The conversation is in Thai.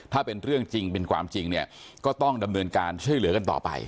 ถ้าเป็นเรื่องจริงเป็นความจริงเนี่ยก็ต้องดำเนินการช่วยเหลือกันต่อไป